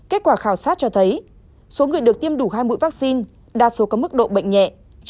kết quả khảo sát cho thấy số người được tiêm đủ hai mũi vaccine đa số có mức độ bệnh nhẹ